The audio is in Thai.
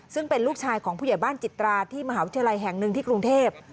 ซึ่งเป็นลูกชายของผู้ใหญ่บ้านจิตราที่มหาวิทยาลัยแห่งหนึ่งที่กรุงเทพ